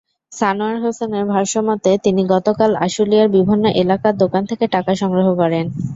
সানোয়ার হোসেনের ভাষ্যমতে, তিনি গতকাল আশুলিয়ার বিভিন্ন এলাকার দোকান থেকে টাকা সংগ্রহ করেন।